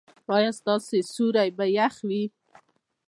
ایا ستاسو سیوري به يخ وي؟